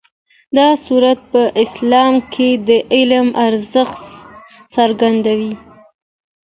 دا سورت په اسلام کې د علم ارزښت څرګندوي.